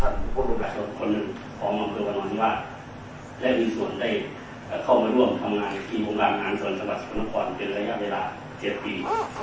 ท่านผู้โพธิ์ลุงกะโลกคนนึงของมารมพฤษฐวรรณอนิวัตและมีส่วนได้เข้ามาร่วมทำงานในผีโลกราศงานสวนสวัสดิ์ภรรกรเป็นระยะเวลาเจ็ดปี